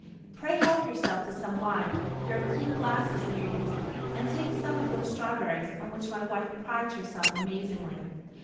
Pray help yourself to some wine, there are clean glasses near you; and take some of those strawberries, on which my wife prides herself amazingly.